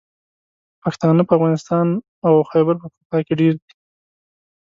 پښتانه په افغانستان او خیبر پښتونخوا کې ډېر دي.